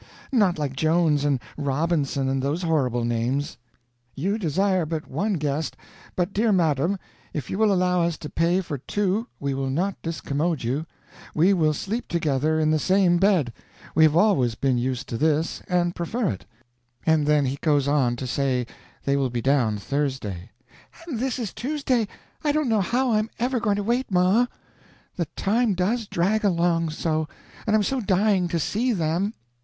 Not like Jones and Robinson and those horrible names." "'You desire but one guest, but dear madam, if you will allow us to pay for two we will not discommode you. We will sleep together in the same bed. We have always been used to this, and prefer it.' And then he goes on to say they will be down Thursday." "And this is Tuesday I don't know how I'm ever going to wait, ma! The time does drag along so, and I'm so dying to see them!